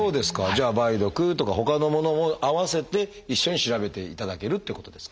じゃあ梅毒とかほかのものも併せて一緒に調べていただけるってことですか？